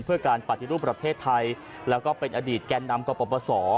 เพื่อการปฏิรูปประเทศไทยแล้วก็เป็นอดีตแก่นำกรปศ